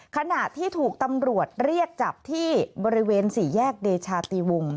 ขณะที่ถูกตำรวจเรียกจับที่บริเวณสี่แยกเดชาติวง